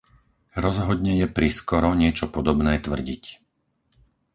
Rozhodne je priskoro niečo podobné tvrdiť.